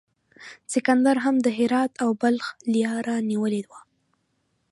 سکندر هم د هرات او بلخ لیاره نیولې وه.